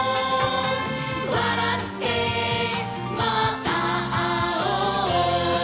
「わらってまたあおう」